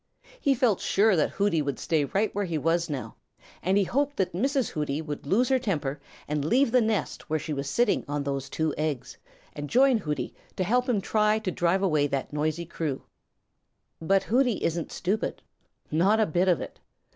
He felt sure that Hooty would stay right where he was now, and he hoped that Mrs. Hooty would lose her temper and leave the nest where she was sitting on those two eggs and join Hooty to help him try to drive away that noisy crew. But Hooty isn't stupid. Not a bit of it.